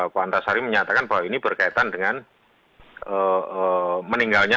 pak antasari menyatakan bahwa ini berkaitan dengan meninggalnya